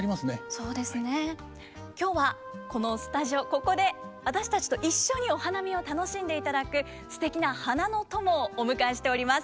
ここで私たちと一緒にお花見を楽しんでいただくすてきな花の友をお迎えしております。